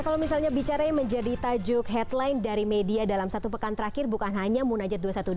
kalau misalnya bicara yang menjadi tajuk headline dari media dalam satu pekan terakhir bukan hanya munajat dua ratus dua belas